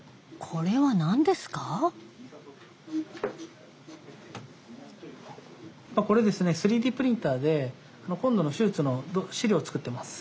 これですね３Ｄプリンターで今度の手術の資料を作ってます。